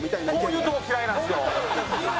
こういうとこ嫌いなんですよ。